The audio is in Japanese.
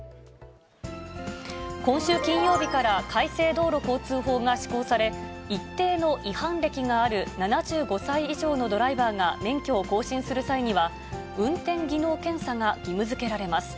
今週金曜日から改正道路交通法が施行され、一定の違反歴がある７５歳以上のドライバーが免許を更新する際には、運転技能検査が義務づけられます。